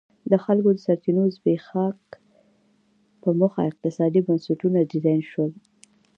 د خلکو د سرچینو زبېښاک په موخه اقتصادي بنسټونه ډیزاین شول.